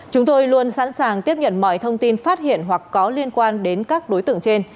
chúng tôi luôn sẵn sàng tiếp nhận mọi thông tin phát hiện hoặc có liên quan đến các đối tượng trên